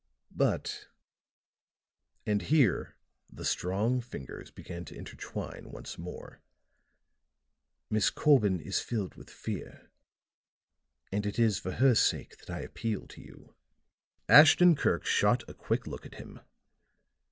But," and here the strong fingers began to intertwine once more, "Miss Corbin is filled with fear, and it is for her sake that I appeal to you." Ashton Kirk shot a quick look at him.